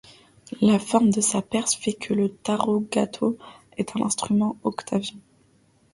La forme de sa perce fait que le tárogató est un instrument octaviant.